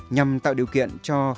nhằm tạo điều kiện cho